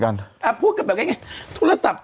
ก็น่ะพูดกันแบบไงนี่ไง